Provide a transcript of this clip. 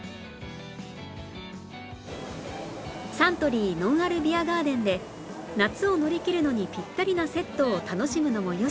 サントリーのんあるビアガーデンで夏を乗り切るのにピッタリなセットを楽しむのもよし